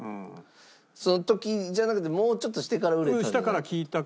その時じゃなくてもうちょっとしてから売れたんじゃないかと。